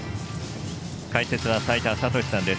解説は齋田悟司さんです。